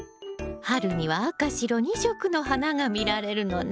春には赤白２色の花が見られるのね。